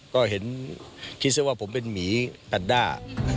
ก็เห็นคิดซะว่าผมเป็นหมีแพนด้า